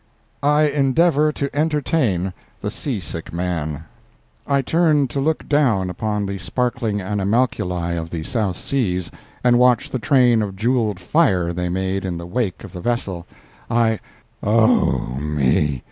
I ENDEAVOR TO ENTERTAIN THE SEASICK MAN I turned to look down upon the sparkling animalculae of the South Seas and watch the train of jeweled fire they made in the wake of the vessel. I— "Oh, me!"